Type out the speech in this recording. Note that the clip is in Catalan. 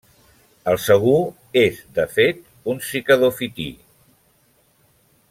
El sagú és, de fet, un cicadofití.